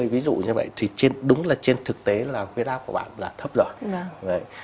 ví dụ như vậy thì đúng là trên thực tế là huyết áp của bạn là thấp lớn